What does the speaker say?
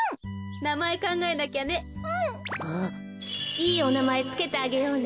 いいおなまえつけてあげようね。